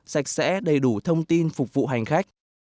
sạch sẽ đầy đủ thông tin phục vụ hành khách